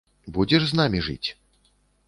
Будзеш з намі жыць?